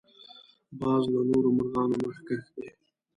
باز له نورو مرغانو مخکښ دی